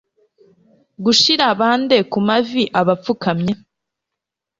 gushira bande kumavi apfukamye